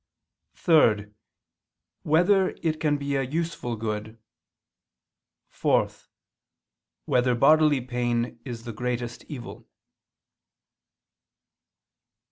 (3) Whether it can be a useful good? (4) Whether bodily pain is the greatest evil?